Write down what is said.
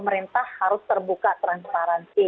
pemerintah harus terbuka transparansi